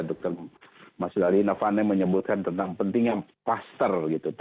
dr mas dali navane menyebutkan tentang pentingnya kluster